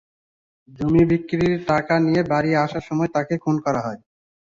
জমি বিক্রির টাকা নিয়ে বাড়ি আসার সময় তাঁকে খুন করা হয়।